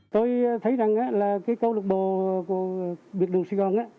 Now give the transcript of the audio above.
tôi thấy rằng là cái câu lạc bộ của biệt động sài gòn